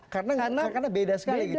karena beda sekali gitu bang ya